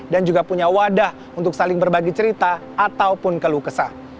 dan juga punya wadah untuk saling berbagi cerita ataupun keluh kesah